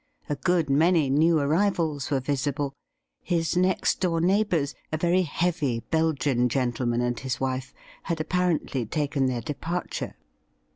A good many new arrivals were visible. His next door neighbours, a very heavy Belgian gentleman and his wife, had apparently taken their departure.